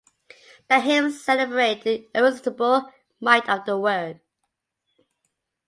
The hymns celebrate the irresistible might of their word.